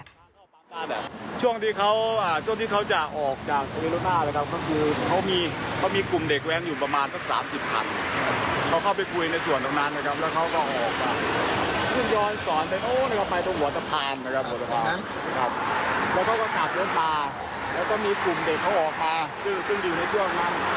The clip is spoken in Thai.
แรกก็มีกลุ่มเด็กเขาออกมาซึ่งอยู่ในพรั่งนั้น